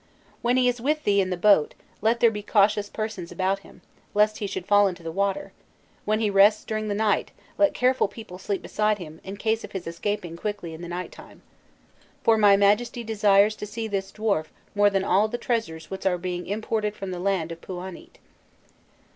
"When he is with thee in the boat, let there be cautious persons about him, lest he should fall into the water; when he rests during the night, let careful people sleep beside him, in case of his escaping quickly in the night time. For my Majesty desires to see this dwarf more than all the treasures which are being imported from the land of Pûanît."